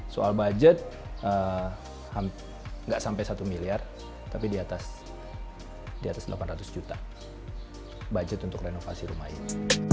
soal budget nggak sampai satu miliar tapi di atas delapan ratus juta budget untuk renovasi rumah ini